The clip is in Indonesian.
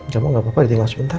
kamu gak apa apa ditinggal sebentar